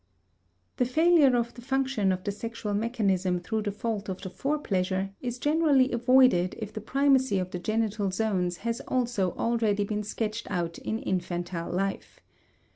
The failure of the function of the sexual mechanism through the fault of the fore pleasure is generally avoided if the primacy of the genital zones has also already been sketched out in infantile life.